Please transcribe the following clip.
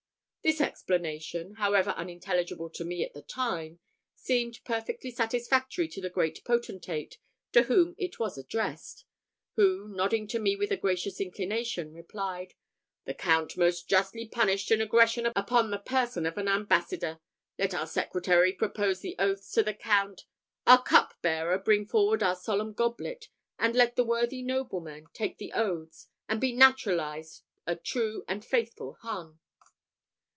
This explanation, however unintelligible to me at the time, seemed perfectly satisfactory to the great potentate to whom it was addressed; who, nodding to me with a gracious inclination, replied, "The Count most justly punished an aggression upon the person of an ambassador. Let our secretary propose the oaths to the count, our cupbearer bring forward our solemn goblet, and let the worthy nobleman take the oaths, and be naturalized a true and faithful Hun."